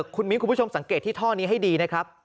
คุณมิ้นคุณผู้ชมสังเกตที่ท่อนี้ให้ดีนะครับ